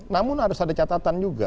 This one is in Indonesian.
namun harus ada catatan juga